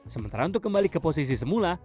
sementara untuk kembali ke posisi semula